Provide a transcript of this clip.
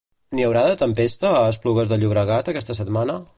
N'hi haurà de tempesta a Esplugues de Llobregat aquesta setmana?